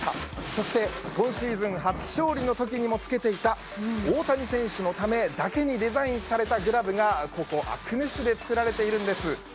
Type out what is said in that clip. そして今シーズン初勝利の時にも着けていた大谷選手のためだけにデザインされたグラブがここ阿久根市で作られているんです。